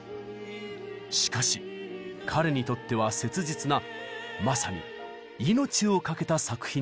しかし彼にとっては切実なまさに命を懸けた作品だったのです。